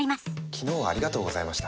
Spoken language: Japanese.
昨日はありがとうございました。